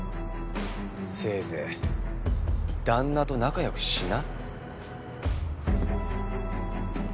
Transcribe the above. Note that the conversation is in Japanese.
せいぜい旦那と仲良くしな。